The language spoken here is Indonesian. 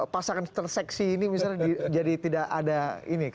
pasangan terseksi ini bisa jadi